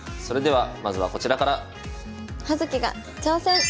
それではまずはこちらから。